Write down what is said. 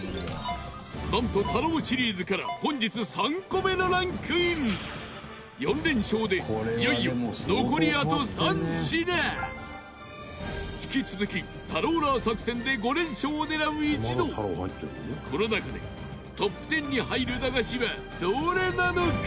なんと、太郎シリーズから本日３個目のランクイン４連勝でいよいよ残りあと３品引き続き、タローラー作戦で５連勝を狙う一同この中で、トップ１０に入る駄菓子は、どれなのか？